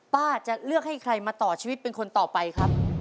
จะเลือกให้ใครมาต่อชีวิตเป็นคนต่อไปครับ